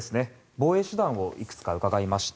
防衛手段をいくつか伺いました。